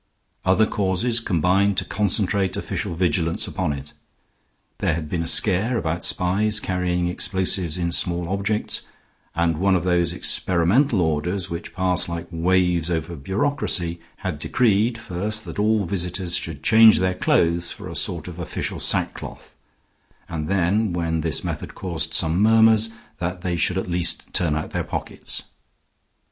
Other causes combined to concentrate official vigilance upon it; there had been a scare about spies carrying explosives in small objects, and one of those experimental orders which pass like waves over bureaucracy had decreed first that all visitors should change their clothes for a sort of official sackcloth, and then (when this method caused some murmurs) that they should at least turn out their pockets.